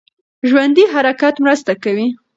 ژوندی حرکت مرسته کوي.